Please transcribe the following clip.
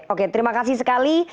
oke terima kasih sekali